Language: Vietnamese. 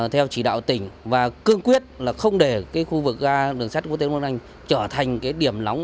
theo chỉ đạo tỉnh và cương quyết không để khu vực ga đường sát quốc tế đồng đăng trở thành điểm nóng